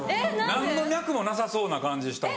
何の脈もなさそうな感じしたわ。